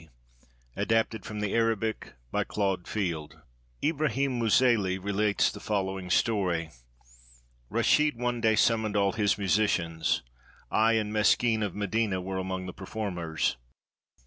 d.] ADAPTED FROM THE ARABIC BY CLAUDE FIELD Ibrahim Mouseli relates the following story: "Rashid one day summoned all his musicians. I and Meskin of Medina were among the performers.